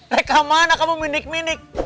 eh eh eh reka mana kamu minik minik